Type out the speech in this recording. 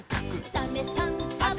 「サメさんサバさん」